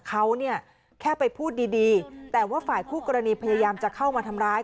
เขาเนี่ยแค่ไปพูดดีดีแต่ว่าฝ่ายคู่กรณีพยายามจะเข้ามาทำร้าย